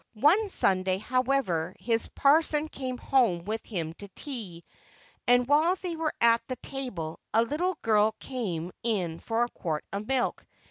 One Sunday, however, his parson came home with him to tea, and while they were at the table a little girl came in for a quart of milk.